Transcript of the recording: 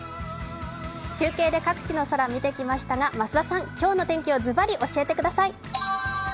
中継の各地の空を見てきましたが増田さん、今日の天気ズバリ教えてください。